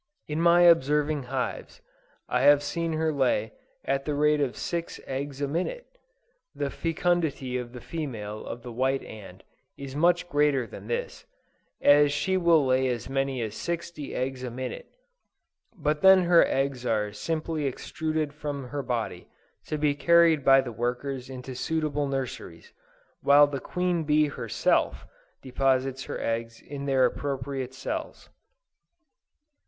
In my observing hives, I have seen her lay, at the rate of six eggs a minute! The fecundity of the female of the white ant, is much greater than this, as she will lay as many as sixty eggs a minute! but then her eggs are simply extruded from her body, to be carried by the workers into suitable nurseries, while the queen bee herself deposits her eggs in their appropriate cells.